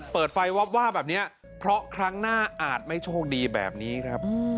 เปิดไฟวับวาบแบบนี้เพราะครั้งหน้าอาจไม่โชคดีแบบนี้ครับ